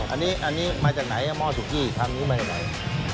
อันนี้มาจากไหนหม้อสุกี้ทางนู้นมาจากไหน